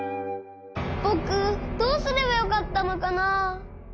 ぼくどうすればよかったのかな？